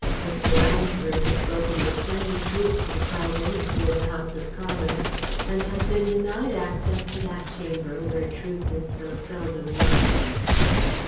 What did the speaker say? Mr. Lansbury had spoken the plain truth to the Prime Minister in the House of Commons and had been denied access to that Chamber where Truth is so seldom welcome.